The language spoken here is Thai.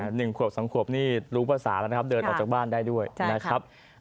หนึ่งขวบสองขวบนี่รู้ภาษาแล้วนะครับเดินออกจากบ้านได้ด้วยนะครับ